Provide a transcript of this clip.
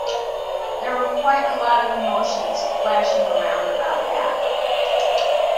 There were quite a lot of emotions flashing around about that.